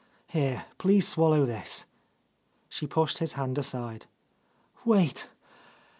Here, please swallow this." She pushed his hand aside. "Wait.